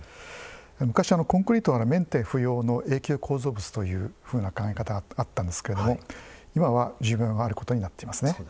昔コンクリートはメンテ不要の永久構造物という考え方があったんですけれども今は寿命があることになっていますね。